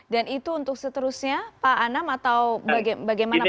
dan itu untuk seterusnya pak anam atau bagaimana